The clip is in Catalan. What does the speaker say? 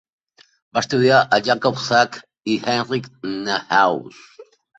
Va estudiar amb Yakov Zak i Heinrich Neuhaus.